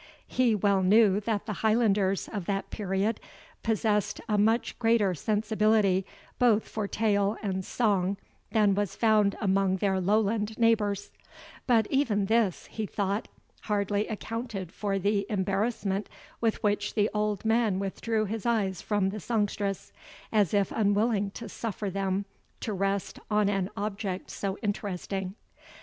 He well knew that the Highlanders of that period possessed a much greater sensibility both for tale and song than was found among their Lowland neighbours; but even this, he thought, hardly accounted for the embarrassment with which the old man withdrew his eyes from the songstress, as if unwilling to suffer them to rest on an object so interesting.